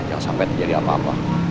jangan sampai terjadi apa apa